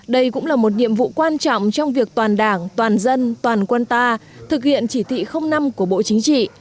đây cũng là một nhiệm vụ quan trọng trong việc toàn đảng toàn dân toàn quân ta thực hiện chỉ thị năm của bộ chính trị